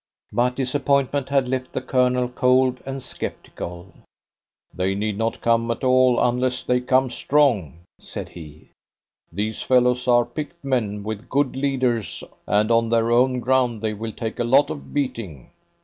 But disappointment had left the Colonel cold and sceptical. "They need not come at all unless they come strong," said he. "These fellows are picked men with good leaders, and on their own ground they will take a lot of beating."